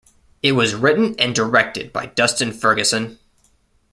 It was written and directed by Dustin Ferguson.